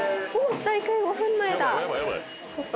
「再開５分前だ」